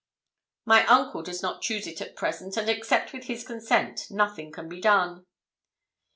'My uncle does not choose it at present; and except with his consent nothing can be done!'